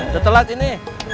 tuh telat ini